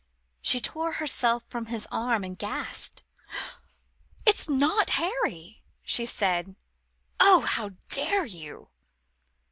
She tore herself from his arm, and gasped. "It's not Harry," she said. "Oh, how dare you!"